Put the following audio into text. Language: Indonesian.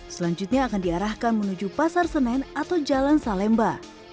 selanjutnya akan diarahkan menuju pasar senen atau jalan salemba